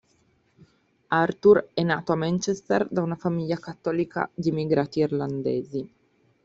Arthurs è nato a Manchester da una famiglia cattolica di emigranti irlandesi.